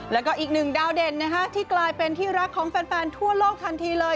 แล้วก็อีกหนึ่งดาวเด่นที่กลายเป็นที่รักของแฟนทั่วโลกทันทีเลย